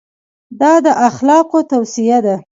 دا د اخلاقو توصیه ده.